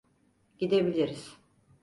Gidebiliriz.